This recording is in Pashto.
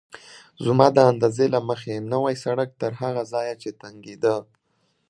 زما د اندازې له مخې نوی سړک تر هغه ځایه چې تنګېده.